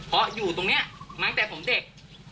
เพราะอยู่ตรงนี้มาตั้งแต่ผมเด็ก